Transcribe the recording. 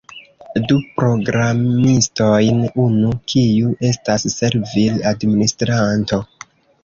Du programistojn unu, kiu estas servil-administranto